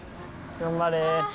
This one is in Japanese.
頑張れ。